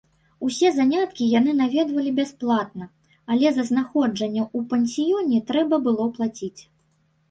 Усе заняткі яны наведвалі бясплатна, але за знаходжанне ў пансіёне трэба было плаціць.